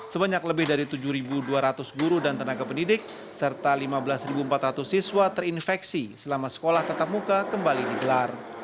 sebanyak lebih dari tujuh dua ratus guru dan tenaga pendidik serta lima belas empat ratus siswa terinfeksi selama sekolah tatap muka kembali digelar